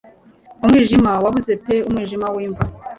Mu mwijima wabuze pe umwijima w'imva;